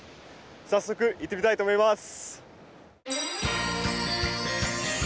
早速行ってみたいと思います！